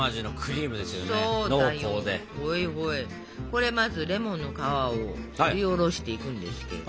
これまずレモンの皮をすりおろしていくんですけど。